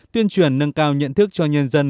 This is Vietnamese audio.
tuyên truyền nâng cao nhận thức cho nhân dân